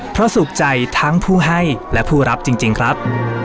เพราะสุขใจทั้งผู้ให้และผู้รับจริงครับ